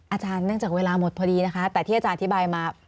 อาจารย์เนื่องจากเวลาหมดพอดีนะคะแต่ที่อาจารย์อธิบายมา